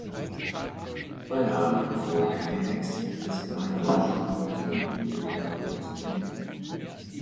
Beide haben empfohlen, den Text des Gemeinsamen Standpunkts ohne jegliche Änderungen zu übernehmen.